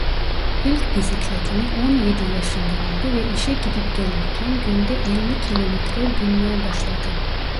İlk bisikletini on yedi yaşında aldı ve işe gidip gelirken günde elli kilometre binmeye başladı.